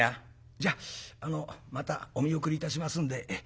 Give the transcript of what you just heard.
じゃあまたお見送りいたしますんで仲見世の。